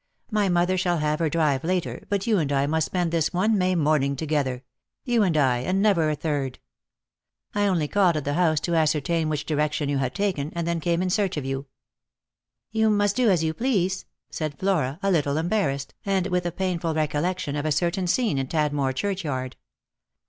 My mother shall have her drive later, but you and I must spend this one May morning together ; you. and I, and never a third. I only called at the Lost for Love. 251 bouse to ascertain which direction you had taken, and then came in search of you." " You must do as you please," said Flora, a little embarrassed, and with a painful recollection of a certain scene in Tadmor churchyard.